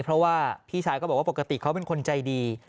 เพราะว่าพี่ชายก็บอกว่าปกติเขาเป็นคนใจดี